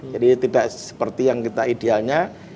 jadi tidak seperti yang kita idealnya